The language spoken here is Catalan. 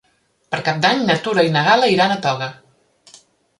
Per Cap d'Any na Tura i na Gal·la iran a Toga.